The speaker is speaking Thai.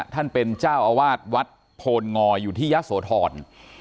ท่านเป็นเจ้าอาวาสวัดโพลงอยอยู่ที่ยะโสธร